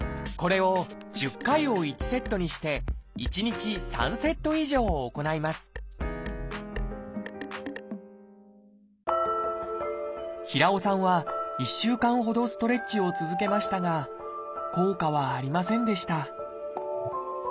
これを１０回を１セットにして１日３セット以上行います平尾さんは１週間ほどストレッチを続けましたが効果はありませんでした